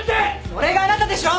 それがあなたでしょ！